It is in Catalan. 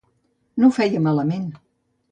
No ho feia malament.